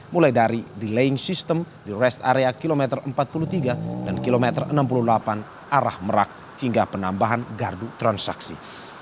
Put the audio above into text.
mulai dari delaying system di rest area kilometer empat puluh tiga dan kilometer enam puluh delapan arah merak hingga penambahan gardu transaksi